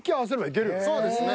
そうですね。